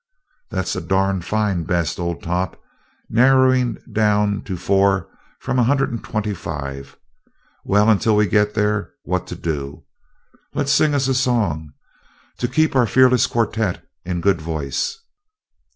"That's a darn fine best, old top narrowing down to four from a hundred and twenty five. Well, until we get there, what to do? Let's sing us a song, to keep our fearless quartette in good voice."